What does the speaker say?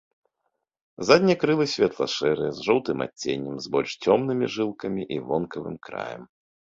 Заднія крылы светла-шэрыя, з жоўтым адценнем, з больш цёмнымі жылкамі і вонкавым краем.